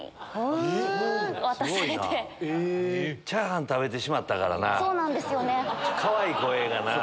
チャーハン食べてしまったからかわいい声がなぁ。